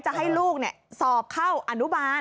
จะให้ลูกสอบเข้าอนุบาล